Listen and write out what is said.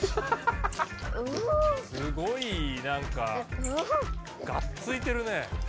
すごいなんかがっついてるね。